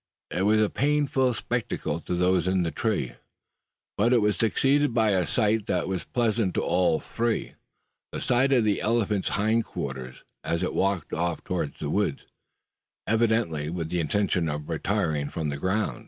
It was a painful spectacle to those in the tree; but it was succeeded by a sight that was pleasant to all three the sight of the elephant's hind quarters as it walked off toward the woods, evidently with the intention of retiring from the ground.